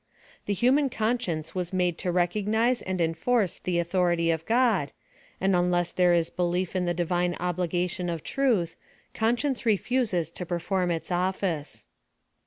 The PLAN OP SALVATION. 179 hiiinan conscience was made to recognise and en force the aiithorily of God, and unless there is be lief in the Divine obligration of truth, conscience refuses to perforin its office.